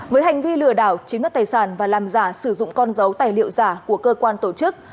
với hành vi lừa đảo chiếm đất tài sản và làm giả sử dụng con dấu tài liệu giả của cơ quan tổ chức